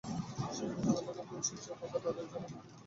শেষ বয়সে হতাশা ও দুশ্চিন্তায় ভোগা তাঁদের জন্য মোটেই কল্যাণকর নয়।